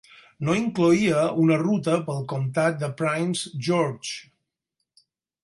No incloïa una ruta pel comtat de Prince George.